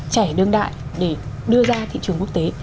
trẻ đương đại để đưa ra thị trường quốc tế